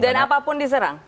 dan apapun diserang